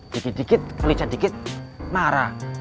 dikit dikit kalijat dikit marah